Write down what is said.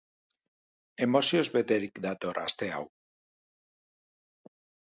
Emozioz beterik dator aste hau.